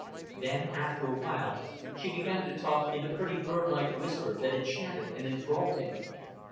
Then after a while she began to talk in the pretty birdlike whisper that enchanted and enthralled him.